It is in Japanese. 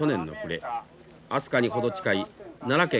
明日香に程近い奈良県